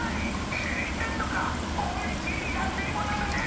「聞いてんのか⁉おいしいやきいもなのねん！」